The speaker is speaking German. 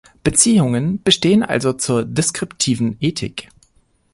Beziehungen bestehen also zur deskriptiven Ethik.